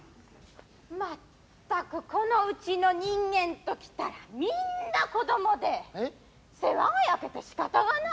全くこのうちの人間と来たらみんな子供で世話が焼けてしかたがない。